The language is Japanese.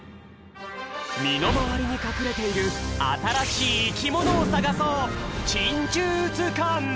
みのまわりにかくれているあたらしいいきものをさがそう！